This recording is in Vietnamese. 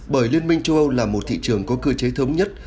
bởi liên minh châu âu là một thị trường có cơ chế thống nhất